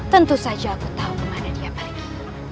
tentu saja aku tahu kemana dia pergi